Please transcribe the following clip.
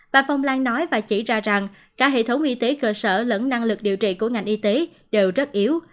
bà phong lan nói và chỉ ra rằng cả hệ thống y tế cơ sở lẫn năng lực điều trị của ngành y tế đều rất yếu